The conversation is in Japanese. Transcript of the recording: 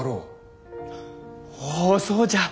おぉそうじゃ！